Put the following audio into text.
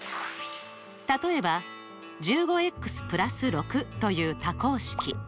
例えば１５＋６という多項式。